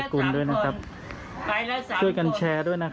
กื่นด้วยนะครับฝากถึงท่านอนุชินชามวิวกุณฑ์